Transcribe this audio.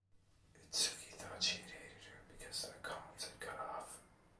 Itsuki thought she hated her because their comms had cut off.